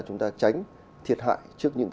chúng ta tránh thiệt hại trước những